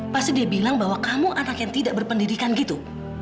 pasti dia bilang bahwa kamu anak yang tidak berpendidikan gitu